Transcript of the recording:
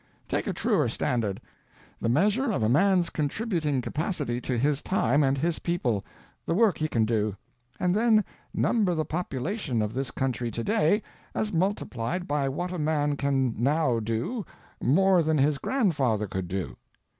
Take a truer standard: the measure of a man's contributing capacity to his time and his people—the work he can do—and then number the population of this country to day, as multiplied by what a man can now do, more than his grandfather could do.